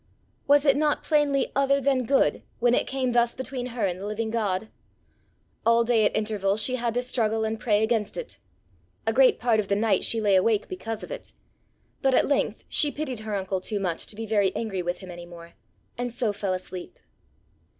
Was it not plainly other than good, when it came thus between her and the living God! All day at intervals she had to struggle and pray against it; a great part of the night she lay awake because of it; but at length she pitied her uncle too much to be very angry with him any more, and so fell asleep.